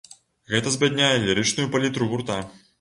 Гэта збядняе лірычную палітру гурта.